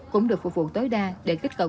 cũng được phục vụ tối đa để kích cầu